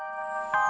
oh ada tuh pak